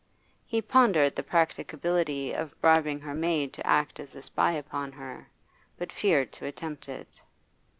He pondered the practicability of bribing her maid to act as a spy upon her, but feared to attempt it.